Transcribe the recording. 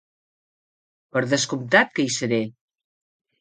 Per descomptat que hi seré!